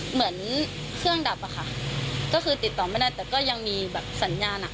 เหมือนเครื่องดับอะค่ะก็คือติดต่อไม่ได้แต่ก็ยังมีแบบสัญญาณอ่ะ